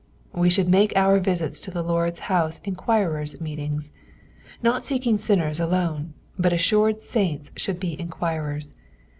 We should make our visits to the Lord's house enquirers' meetings. Not seeking sinners alone, but assured saints should be enquirers.